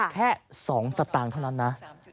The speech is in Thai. แค่๒สตางค์เท่านั้นนะ